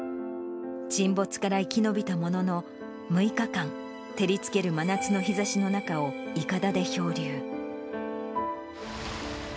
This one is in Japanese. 沈没から生き延びたものの、６日間、照りつける真夏の日ざしの中をいかがで漂流。